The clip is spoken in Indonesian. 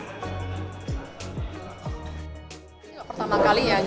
ini pertama kali ya